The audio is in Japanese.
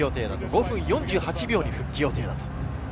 ５分４８秒に復帰予定です。